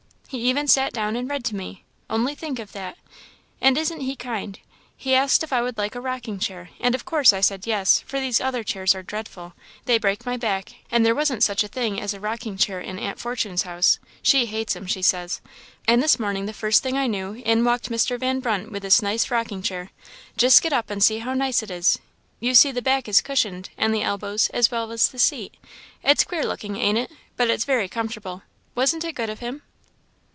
He even sat down and read to me only think of that! And isn't he kind? he asked if I would like a rocking chair, and of course I said yes, for these other chairs are dreadful they break my back; and there wasn't such a thing as a rocking chair in Aunt Fortune's house she hates 'em, she says; and this morning, the first thing I knew, in walked Mr. Van Brunt with this nice rocking chair. Just get up and see how nice it is; you see the back is cushioned, and the elbows, as well as the seat; it's queer looking, ain't it? but it's very comfortable. Wasn't it good of him?"